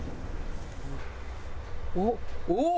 おっおお！